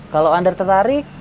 kalau anda tertarik